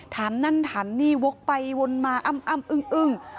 ถามนั่นถามนี่วกไปวนมาอ้ำอึ้ง